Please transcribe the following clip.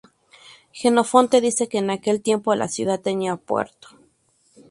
Jenofonte dice que en aquel tiempo la ciudad tenía puerto.